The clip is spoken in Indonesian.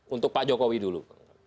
untuk pak jokowi dulu